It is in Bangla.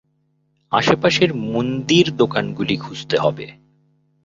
আশেপাশের মুন্দির দোকানগুলি খুঁজতে হবে।